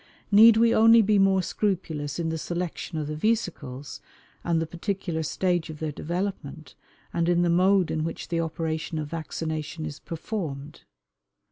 Need we only be more scrupulous in the selection of the vesicles, and the particular stage of their development, and in the mode in which the operation of vaccination is performed?